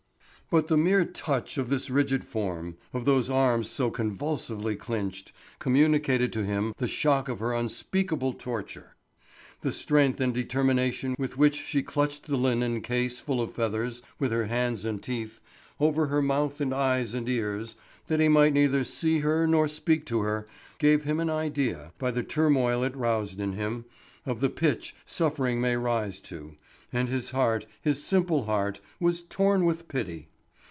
But the mere touch of this rigid form, of those arms so convulsively clinched, communicated to him the shock of her unspeakable torture. The strength and determination with which she clutched the linen case full of feathers with her hands and teeth, over her mouth and eyes and ears, that he might neither see her nor speak to her, gave him an idea, by the turmoil it roused in him, of the pitch suffering may rise to, and his heart, his simple heart, was torn with pity.